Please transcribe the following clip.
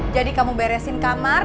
jadi kamu beresin kamar